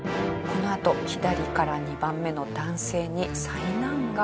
このあと左から２番目の男性に災難が。